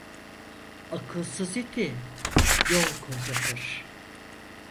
Akılsız iti yol kocatır.